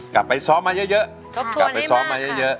กลับไปซ้อมมาเยอะทบทวนให้มาก